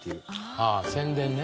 ああ宣伝ね。